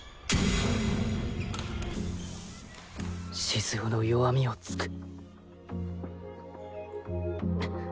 静雄の弱みをつく